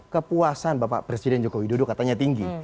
kepuasan bapak presiden jokowi dodo katanya tinggi